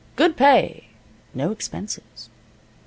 Good pay. No expenses."